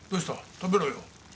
食べろよ。